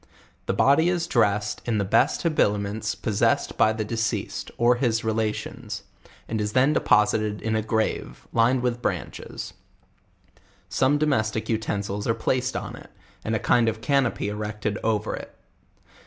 The body is dressed in the best habiliments possessed by the deceased, or his relations, and is then deposited in a grave, lined with branches; some domestic utensils are placed on it, and a kind of canopy erected o^ er it.